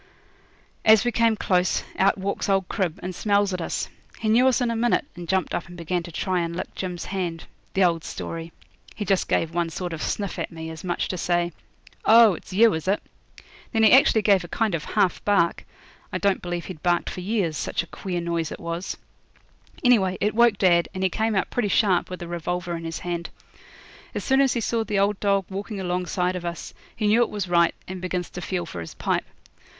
As we came close, out walks old Crib, and smells at us. He knew us in a minute, and jumped up and began to try and lick Jim's hand: the old story. He just gave one sort of sniff at me, as much as to say, 'Oh! it's you, is it?' Then he actually gave a kind of half bark. I don't believe he'd barked for years, such a queer noise it was. Anyhow, it woke up dad, and he came out pretty sharp with a revolver in his hand. As soon as he saw the old dog walking alongside of us he knew it was right, and begins to feel for his pipe.